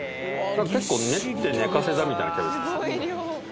結構練って寝かせたみたいなキャベツですね